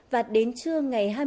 và đến trưa ngày hai mươi bốn